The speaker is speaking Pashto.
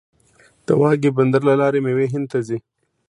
د واګې بندر له لارې میوې هند ته ځي.